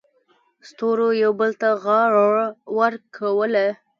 ستورو یو بل ته غاړه ورکوله.